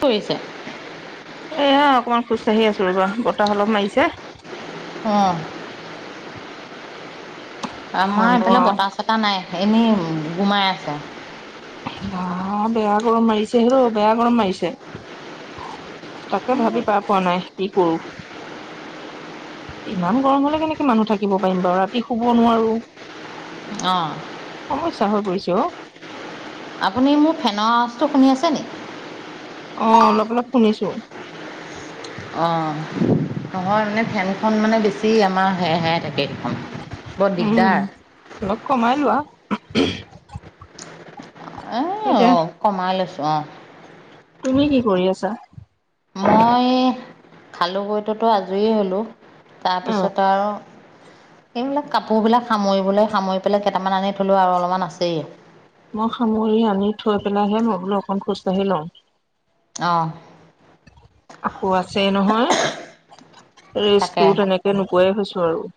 কৰিছে? এয়া অকমান খোজকাঢ়ি আছো ৰবা! বতাহ অলপ মাৰিছে। অ। আমাৰ ইমান এইফালে নোৱাৰো বতাহ চটাহ নাই, এনেই গোমাই আছে। এইয়া বেয়া গৰম মাৰিছে অ বেয়া গৰম মাৰিছে। তাকে ভাবি পাৰ পোৱা নাই কি কৰো? ইমান গৰম হলে কেনেকে মানুহ থাকিব পাৰিম বাৰু ৰাতি শুব নোৱাৰো। অ। সমস্যা হৈ পৰিছো অ। আপুনি মোৰ ফেনৰ আৱজটো শুনি আছে নি? অ অলপ- অলপ শুনিছো। অঁ, নহয় মানে ফেনখন মানে বেছি আমাৰ হে হে থাকে। সেইখন বৰ উম, দিগদাৰ অলপ কমাই লোৱা উ উহঁ। অ, এতিয়া কমাই লৈচো অ। তুমি কি কৰি আছা? মই, খালোঁ বৈটোতো আজৰি হ'লোঁ। অ তাৰপিছত আৰু এইবিলাক কাপোৰবিলাক সামৰিবলৈ সামৰি পেলাই কেইটামান আনি থ'লোঁ আৰু অলপমান আছেই। মই সামৰি আনি থৈ পেলাইহে মই বোলো অকণ খোজকাঢ়ি লম। অ। আকৌ আছে নহয়, তাকে ৰেষ্টটো তেনেকে নুকোৱাই হৈছো আৰু।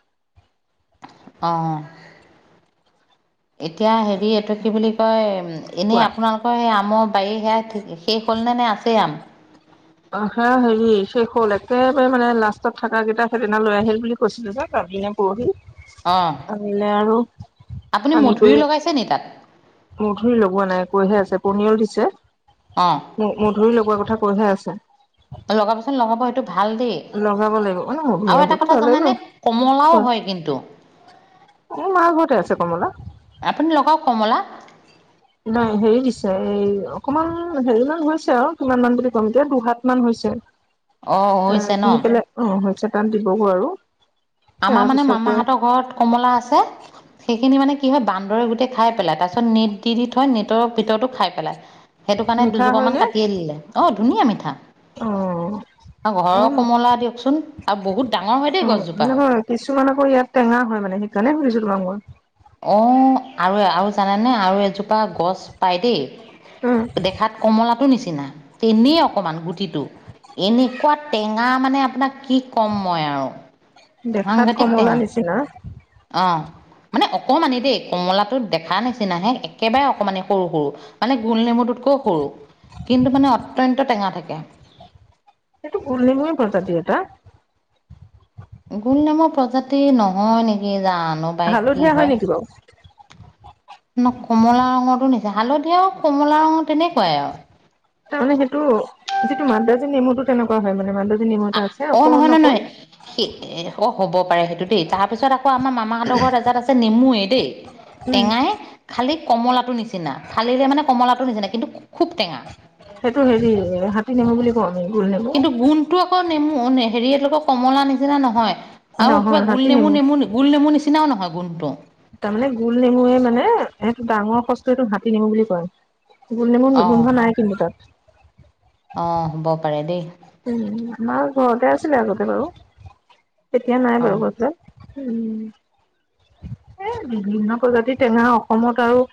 অ এতিয়া হেৰি এইটো কি বুলি কয় এনেই কোৱা। আপোনালোকৰ সেই আমৰ বাৰী সেয়া শে শেষ হ'ল নে নাই আছেই আম? অ হা হেৰি শেষ হ'ল একেবাৰে মানে লাষ্টত থাকা কেইটা সেইদিনা লৈ আহিল বুলি কৈছিলো যে কালি নে পৰহি, অঁ আহিলে আৰু এনেকৈ তেনেকা মধুৰি লগোৱা নাই কৈহে আছে পনিয়ল দিছে অঁ। ম মধুৰি লগোৱাৰ কথা কৈহে আছে। ত লগাবচোন লগাব সেইটো ভাল দেই। লগাব লাগিব মানে আৰু এটা মধুৰিআমটোতো কথা ভালেই বাৰু জানোনে? কমলাও হয় কিন্তু। মোৰ মাৰ ঘৰতে আছে কমলা। আপুনি লগাওক কমলা? নাই হেৰি দিছে এই অকমান হেৰি মান হৈছে আৰু কিমান মান বুলি ক'ম এতিয়া দুহাত কিমান হৈছে, অঁ এ হৈছে ন কিনি পেলাই অ হৈছে তাত দিবগৈ আৰু। আমাৰ মানে তাৰপিছতে মামাহঁতৰ ঘৰত কমলা আছে সেইখিনি মানে কি হয়, বান্দৰে গোটেই খাই পেলাই তাৰ পিছত নেট দি দি থয় নেটৰ ভিতৰতো খাই পেলাই সেইটো কাৰণে মিঠা দুজোপামান হয়নে কাটিয়ে দিলে, অ ধুনীয়া মিঠা। অ অ ঘৰৰ অ কমলা দিয়কচোন আৰু বহুত ডাঙৰ হয় দেই গছজোপা। কিছুমানৰ আকৌ ইয়াত টেঙা হয় মানে সেইকাৰণে সুধিছো তোমাক মই? অ, আৰু, আৰু জানানে আৰু এজোপা গছ পাই দেই, উম, দেখাত কমলাটোৰ নিচিনা, তেনেই অকমান গুটিটো। এনেকুৱা টেঙা মানে আপোনাক কি ক'ম, মই আৰু দেখাত হাংঘাটিক কমলা টেঙা। নিচিনা অ, মানে অকণমানি দেই, কমলাটো দেখাৰ নিচিনাহে একেবাৰে অকমানি সৰ, সৰু। মানে গোল নেমুটোতকৈও সৰু, কিন্তু মানে অত্যন্ত টেঙা থাকে। সেইটো গোল নেমুৰে, প্ৰজাতিৰ এটা। গোল নেমুৰ প্ৰজাতি নহয় নেকি, জানো বাই কি হালধীয়া হয়। [inaudible] ন, কমলা ৰঙটোৰ নিচিনা হালধিয়া আৰু কমলা ৰঙৰ তেনেকুৱাই আৰু। তাৰ মানে সেইটো, যিটো মাদ্ৰাজী নেমুতটো তেনেকুৱা হয়, মানে মাদ্ৰাজী নেমু এটা আছে অ, অকণ নহয়, নহ, অকণ নহয়, স, অ, হ'ব পাৰে সেইটো দেই তাৰপিছত আ আকৌ আমাৰ মামাহঁতৰ ঘৰত এজাত আছে, নেমু দেই উম। টেঙাই। খালি কমলাটো নিচিনা, ফালিলে মানে কমলাটো নিচিনা, কিন্তু খুব টেঙা। সেইটো হেৰি, হাতী নেমু বুলি [inaudible] কিন্তু গোন্ধটো আকৌ, নেমু হেৰিয়কৰ কমলা নিচিনা নহয়। আৰু কিবা নহয় গোল হাতী নেমু, নেমু গোল নেমু নিচিনাও নহয় গুণটো। তাৰ মানে গোল নেমুৱে মানে, এইটো ডাঙৰ সচটো, এইটো হাতী নেমু বুলি কয়। গোল নেমু অ গোন্ধ নাই কিন্তু তাত। অ, হ'ব পাৰে দেই। উম, আমাৰ ঘৰতে আছিলে আগতে বাৰু, তেতিয়া নাই অ বাৰু গছ দাল। উম, এ, বিভিন্ন প্ৰজাতিৰ টেঙা অসমত আৰু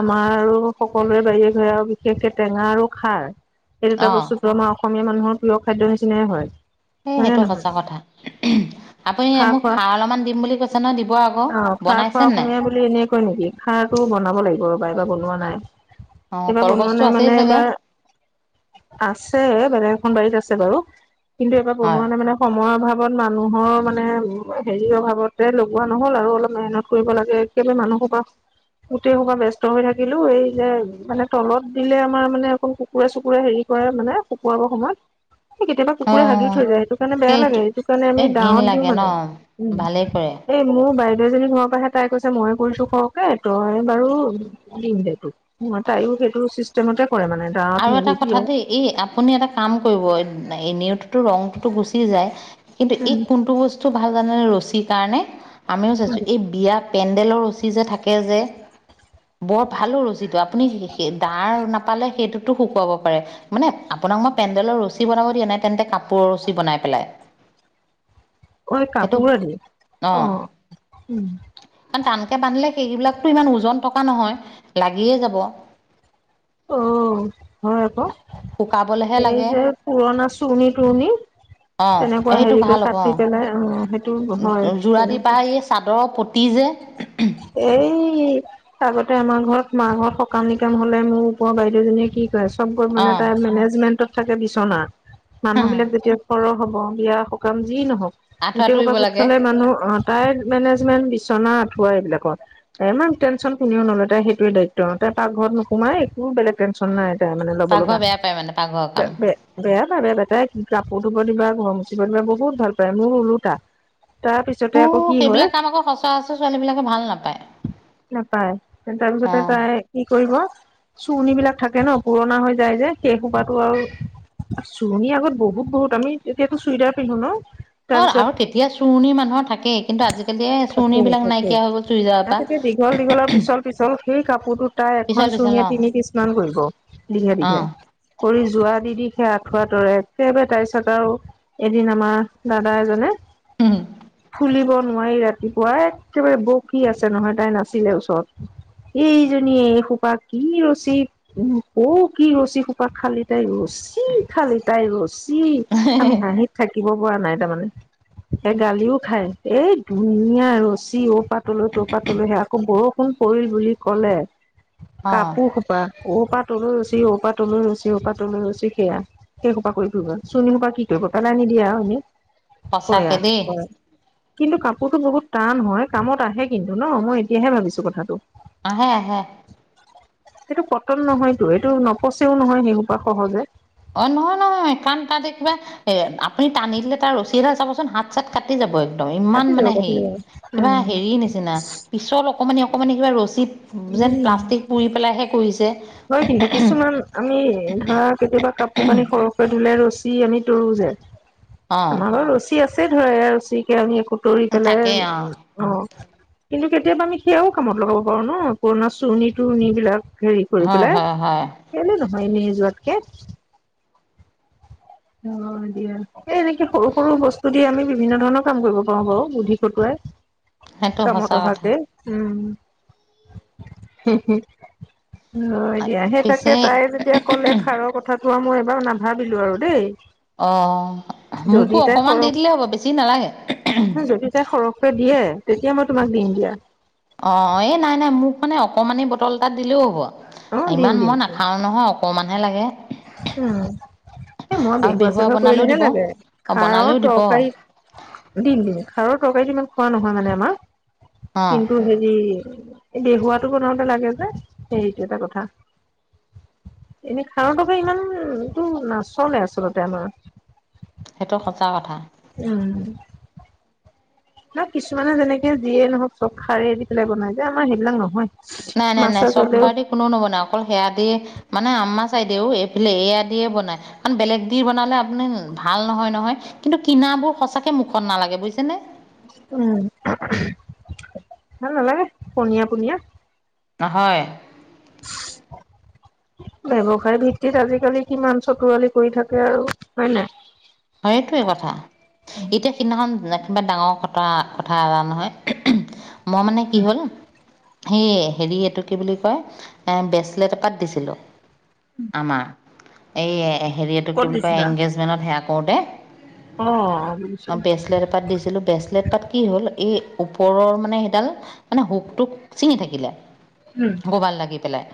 আমাৰ সকলোৰে বাহিৰে‌ ঘৰে আৰু বিশেষকে টেঙা আৰু খাৰ। এই দুটা অ বস্তুটো আমাৰ অসমীয়া মানুহৰ প্ৰিয় খাদ্যয় নিচিনাই হয়। এই হয় নে সেইটো নহয় সঁচা কথা, আপুনি মোক খাৰ অলপমান দিম বুলি কৈছ তেনে দিব আকৌ, বনাইছেনে নাই? এনে কয় নেকি, খাৰটো বনাব লাগিব ৰ'বা, এইবাৰ বনোৱা নাই। অঁ এইবাৰ বনোৱা কলগছটো নাই আছেই মানে, চাগে এইবাৰ আছে, বেলেগ এখন বাৰীত আছে বাৰু, কিন্তু এবাৰ হয় বনোৱা নাই মানে সময়ৰ অভাৱত মানুহৰ মানে, হেৰিৰ অভাৱতে লোৱা নহ'ল আৰু, অলপ মেহনত কৰিব লাগে। একেবাৰে মানুহসোপা গোটেই সোপা ব্যস্ত হৈ থাকিলো, এই যে মানে তলত দিলে আমাৰ মানে অকল কুকুৰে-চুকুৰে হেৰি কৰে মানে, শুকুৱাবৰ সময়ত। কেতিয়াবা কুকুৰে হাগিও অঁ থৈ যায়। সেইটো কাৰণে বেয়া লাগে, সেইটো কাৰণে আমি এই ঘিণ দাৱত দিওঁ লাগে ন মানে। ভালেই কৰে উম এই মোৰ বাইদেও এজনীৰ ঘৰৰ পৰাহে, তাই কৈছে মইয়ে কৰিছো সৰহকে তই বাৰু দিম, দে তোক সেইটো তাইয়ো সেইটো চিষ্টেমতে কৰে মানে। দাৱত আৰু এটা মেলি কথা দেই, এই আপুনি এটা কাম কৰিব, এনেটোতো ৰংটোতো গুচি যায়। কিন্তু এই দিয়ে কোনটো বস্তু ভাল জানেনে, ৰছীৰ কাৰণে, আমিও চাইছোঁ এই বিয়া পেণ্ডেলৰ ৰচি যে, থাকে যে বৰ ভাল অ, ৰচিটো, আপুনি ডাৰ নাপালে সেইটোতো শুকুৱাব পাৰে। মানে আপোনাক মই পেণ্ডেলৰ ৰছী বনাব দিয়া নাই, তেন্তে কাপোৰৰ ৰছী বনাই পেলাই অ, এই সেইটো কাপোৰ দি অ, অঁ উম কাৰণ টানকে বান্ধিলে সেইবিলাকতো ইমান ওজন থকা নহয়, লাগিয়ে যাব। অ' হয় আকৌ, শুকাবলেহে এই লাগে যে পুৰণা চুৰণি তুৰণি। অঁ তেনেকুৱা সেইটো হেৰি ভাল কৰি হ'ব অঁ কাটি পেলাই, অ' সেইটো হয় যোৰা দি বা তেনেকুৱা। এই চাদৰৰ প্ৰতি যে- এই- আগতে আমাৰ ঘৰত মা ঘৰত সকাম নিকাম হ'লে মোৰ ওপৰ বাইদেউজনীয়ে কি চবকৈ মানে অঁ তাৰ মেনেজমেন্টত থাকে বিচনা, মানুহ বিলাক যেতিয়া সৰ- হ'ব বিয়া সকাম যি নহওঁক, আঁঠুৱা গোটেই সোপা তৰিব গোত লাগে খালে মানুহ অ'- তাই মেনেজমেণ্ট বিছনাত। খোৱা এইবিলাকত, ইমান টেঞ্চন কোনেও নলয় তাই সেইটোৱে দায়িত্ব তাই পাকঘৰত নোসোমাই- কোনো বেলেগ টেনচন নাই তাই মানে ল'ব পাকঘৰ লগা। বেয়া পায় মানে পাকঘৰৰ কাম বেয়া পায় বেয়া পায় তাই কাপোৰ ধুব দিবা ঘৰ মুচিব দিবা বহুত ভাল পায় মোৰ ওলোতা। অ সেইবিলাক কাম আকৌ সচাঁ হেচিৰ ছোৱালী বিলাকে ভাল নাপায়। নাপায়, তাৰপিছতে অঁ তাই কি কৰিব। চুণি বিলাক থাকে ন পুৰণা হৈ যায় যে সেই সোপাটো আৰু। চুৰণি আগত বহুত বহুত আমি এতিয়াতো চুইদাৰ পিন্ধো ন। অ' তাৰপিছত আৰু তেতিয়া চুৰণি মানুহৰ থাকেই কিন্তু আজিকালি চুৰণি বিলাক নাইকিয়া হৈ গ'ল চুইজা তেতিয়া দীঘল দীঘলৰ পিছল পিছল সেই কাপোৰটো তাই পিছল এখন পিছল চুৰনিয়ে অ তিনি পিছ মান কৰিব। দীঘে দীঘে, কৰি যোৱা দি দি সেই আঠুৱা তৰে একেবাৰে তাৰ পিছত আৰু- এদিন আমাৰ দাদা এজনে। উম। খুলিব নোৱাৰি ৰাতিপুৱা একেবাৰে বকি আছে নহয় তাই নাছিলে ওচৰত। এইজনী এই সোপা কি ৰচিত- উম ক কি ৰছী খোপাত খালি তাই ৰছী খালি তাই ৰছী। আমি হাঁহিত থাকিব পৰা নাই তাৰমানে। এ গালিও খায় এই ধুনীয়া আৰু- যি অ পাতলৈ ত' পাতলৈহে আকৌ বৰষুণ পৰিল বুলি কলে, অ কাপোৰ- অ অ পৰা তনু ৰৰুছি অ', পৰা তনু ৰৰুছি অ', পৰা তনু ৰুচি সেয়া। সেই সোপা কৰি ফুৰিব চুনী সোপা কি কৰিব পেলাই নিদিয়া এনে। হয়, সঁচাকে দেই কিন্তু কাপোৰতো বহুত টান হয়। কামত আহে কিন্তু ন মই এতিয়াহে ভাবিছো কথাটো। আহে আহে। সেইটো কটন নহয়তো এইটো নপচেও নহয় সেইসোপা সহজে। অ', নহয় নহয় কাৰণ তাত কিবা এ আপুনি টানি দিলে তাৰ ৰছী এ হাল চাবচোন হাত- হাত চাত কাটি যাব একদম ইমান কাটি যাব মানে কাটি হেৰি, যাব। কিবা উম হেৰি নিচিনা- পিছল অকমানি অকমানি কিবা ৰছী যেন উম প্লাষ্টিক পুৰি পেলাইহে কৰিছে। হয় কিন্তু কিছুমান আমি ধৰা কেতিয়াবা কাপোৰ কানি সৰহকৈ ধুলাই ৰছো ৰচী আমি তৰো যে, অ আমাৰ ঘত ৰছী আছে ধৰা ৰছী কে আমি একো তৰি পেলাই তাকেই অ অ। কিন্তু কেতিয়াবা আমি সেয়াও কামত লগাব পাৰো ন পুৰণা চুৰণি তুৰণ বিলাক হেৰি- ফালি হয় পেলাই, হয় হয় কেলে নহয় এনেই যোৱাতকে। অ' দিয়া এই এনেকে সৰু সৰু বস্তু দি আমি বিভিন্ন ধৰণৰ কাম কৰিব পাৰো বাৰু বুদ্ধি খটুৱাই। সেইটো কামত সঁচা অহা কথা কে উম। অ', দিয়া সেই তাকে তাই যেতিয়া পিছে কলে খাৰৰ কথাটো আৰু মই এবাৰ নাভাবিলো আৰু দেই। হয়। অ', মোকো অকমান দি দিলে হ'ব বেছি নালাগে। যদি তাই সৰহকে দিয়ে তেতিয়া মই তোমাক দিম দিয়া অ', এই নাই নাই মোক মানে অকমানেই বটল এ তাত দিলেও হ'ব অ দিম ইমান দিম মই দিম নাখাও নহয় অকণমানহে লাগে উম এ মই আৰু বেহুৱা চেহুৱা বনালেও কৰিলেহে দিব লাগে অঁ বনালেও খাৰৰ দিব তৰকাৰী দিম দিম খাৰৰ তৰকাৰিটো ইমান খোৱা নহয় মানে আমাৰ অঁ কিন্তু হেৰি বেহুৱা টো বনাওতে লাগে যে সেইটো এটা কথা এনে খাৰো ত এই ইমানটো নাচ নাচলতে আমাৰ সেইটো সঁচা কথা উম, ন কিছুমানে যেনেকে যিয়ে নহওক চব খাৰে দি পেলাই বনাই যে আমাৰ সেইবিলাক নহয় মাছ চাছ হলেও কোনো নবনাই অকল সেয়া দিয়ে মানে আম্মা চাই দেও এইফালে এয়া দিয়ে বনায় কাৰণ বেলেগ দি বনালে আপুনি ভাল নহয় নহয় কিন্তু কিনাবোৰ সঁচাকে মুখত নালাগে বুজিছে নে উম ভাল নালাগে পনীয়া পনীয়া নহয় উ [inaudible] ব্যৱসায়ী ভিত্তিত আজিকালি কিমান চতুৱালি কৰি থাকে আৰু হয় নাই সেইটোৱে কথা এতিয়া সিদিনাখন কিবা ডাঙৰ কথা কথা এটা নহয় মই মানে কি হ'ল সেই হেৰি এইটো কি বুলি কয় ব্ৰেচলেট এপাত দিছিলোঁ আমাৰ এই হেৰি এইটো ক'ত কি বুলি কয় দিছিলা এংগেজমেন্টত সেয়া কৰোতে অ', পাত দিছিলোঁ ব্ৰেচলেট পাত কি হ'ল এই ওপৰৰ মানে সেইডাল মানে হুোক তো চিঙি থাকিলে উম গ'বাল লাগি পেলাই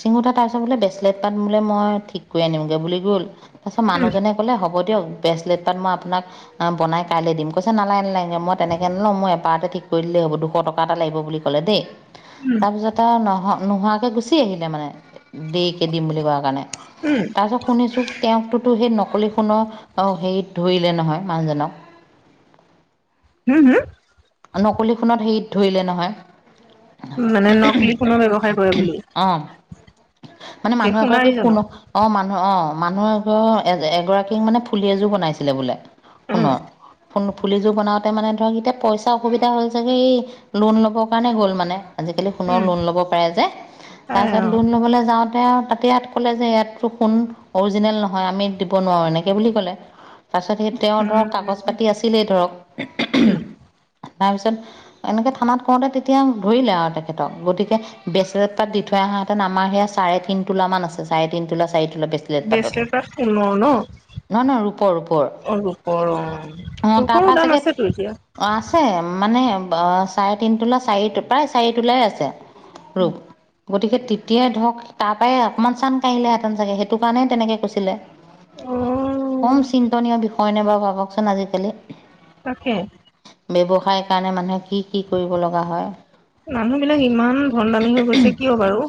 চিঙুঠা তাৰপিছত বোলে ব্ৰেচলেট পাত বোলে মই ঠিক কৰি আনিমগৈ বুলি গ'ল তাৰপছত উম মানুহনজনে কলে হ'ব দিয়ক ব্ৰেছলেটপাত মই আপোনাক অ বনাই কাইলৈ দিম কৈছে নালাগে নালাগে মই তেনেকে নলওঁ মই এপাতে ঠিক কৰি দিলে হব' দুশ টকা এটা লাগিব বুলি ক'লে দে উম তাৰপিছত আৰু নহ নোহোৱাকৈ গুচি আহিলে মানে দেৰীকে দিম বুলি কোৱা কাৰণে উম তাৰপিছত শুনিছো তেওঁকতোতো সেই নকলি সোণৰ অঁ হেৰিত ধৰিলে নহয় মানুহজনক উম হম নকলি সোণত হেৰিত ধৰিলে নহয় মানে নকলি সোণৰ ব্যৱসায় কৰে বুলি অ', মানে সেই মানুহ এগৰাকী সোণাৰী সোণ জানো অ', মানুহ অ', মানুহৰ এ এগৰাকীক মানে ফুলি এযোৰ বনাইছিলে বোলে উম সোণৰ ফ ফুলিযোৰ বনাওঁতে মানে ধৰক এতিয়া পইচা অসুবিধা হ'ল চাগে এই লোন ল'বৰ কাৰণে গ'ল মানে আজিকালি সোণৰ উম লোন ল'ব পাৰে যে তাই অ তাৰপিছত লোন ল'বলৈ যাওঁ তাতে ইয়াত কলে যে ইয়াতো সোন অৰিজিনেল নহয় আমি দিব নোৱাৰো এনেকে বুলি ক'লে তাৰছত সেই তেওঁৰ ধৰক উম কাগজ পাতি আছিলেই ধৰক উম তাৰপিছত এনেকে থানাত কওঁতে তেতিয়া ধৰিলে আৰু তেখেতক। গতিকে- ব্ৰেচলেট পাট দি থৈ অহা হেঁতেন আমাৰ সেয়া চাৰে তিন তোলা মান আছে, চাৰে তিন তোলা, চাৰি তোলা বে ব্ৰেচলেট পাট সোণৰ ন? নহয় নহয় ৰূপৰ ৰূপৰ অ' ৰূপৰ অঁ', - তাৰপৰা ৰূপৰো দাম চাগে আছেতো এতিয়া। অঁ', -আছে, মানে চাৰে তিনি তোলা, চাৰি প্ৰায় চাৰি তোলাই আছে। ৰব। গতিকে তেতিয়াই ধৰক তাৰ পৰাই অকণমান চান কাঢ়িলে হেঁতেন চাগে, সেইটো কাৰণে তেনেকে কৈছিলে। অ কম চিন্তনীয় বিষয় নে বাৰু ভাবকচোন আজিকালি। তাকে। ব্যৱসায় কাৰণে মানুহে মানে কি কি কৰিব লগা হয়। মানুহ বিলাক ইমান ধন দামী হৈ গৈছে কিয় বাৰু?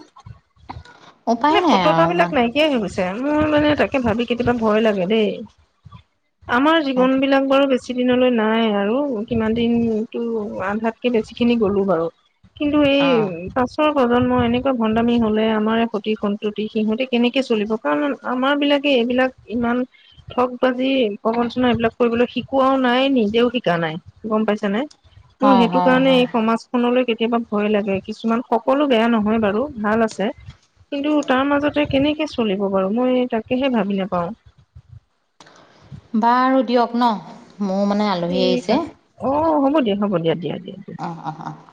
উপায় মানে নাই আৰু সত'তাবিলাক ইমান নাইকিয়াই হৈ গৈছে, মোৰ মানে তাকে ভাবি কেতিয়াবা ভয় লাগে দেই। আমাৰ জীৱন বিলাক- বাৰু বেছি দিনলৈ নাই আৰু, কিমান দিনতো আধাতকে বেছি খিনি গ'লো বাৰু। কিন্তু এই অ'। পাছৰ প্ৰজন্ম এনেকুৱা ভন্দামি হ'লে আমাৰ- সন্ততি সিহঁতে কেনেকে চলিব। কাৰণ আমাৰ বিলাকে এইবিলাক ইমান- ঠগ বাজি, প্ৰবঞ্চনা এইবিলাক কৰিবলৈ শিকোৱাও নাই, নিজেও শিকা নাই, গম পাইছ নে। মোৰ হয়, সেইটো হয়, কাৰণে হয়, এই সমাজ- খনলৈ কেতিয়াবা ভয় লাগে। কিছুমান, সকলো বেয়া নহয় বাৰু ভাল আছে। কিন্তু তাৰ মাজতে কেনেকে চলিব বাৰু মই তাকেহে ভাবি নাপাওঁ। বাৰু দিয়ক ন' মোৰ মানে আল ঠিক আছে। অঁহ', -হ'ব দিয়া, হ'ব দিয়া, দিয়া-দিয়া। অঁহ'-অহ', -অহ', -।